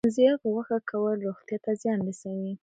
زیات غوښه کول روغتیا ته زیان رسوي.